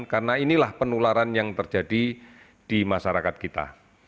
karena inilah penularan yang terjadi di masyarakat kita